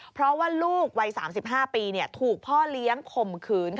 เพราะว่าลูกวัย๓๕ปีถูกพ่อเลี้ยงข่มขืน